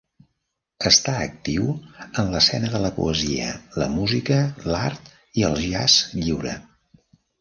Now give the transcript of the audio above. Està activo en l'escena de la poesia, la música, l'art i el jazz lliure.